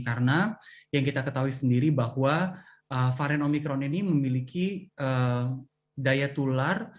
karena yang kita ketahui sendiri bahwa varian omikron ini memiliki daya tular